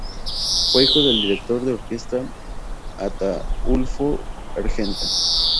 Fue hijo del director de orquesta Ataúlfo Argenta.